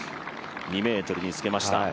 ２ｍにつけました。